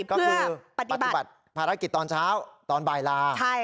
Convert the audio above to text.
ก็คือปฏิบัติภารกิจตอนเช้าตอนบ่ายลา